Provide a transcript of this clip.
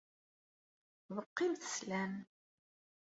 Beqqimt sslam.